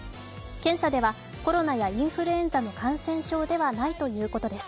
検査ではコロナやインフルエンザの感染症ではないということです。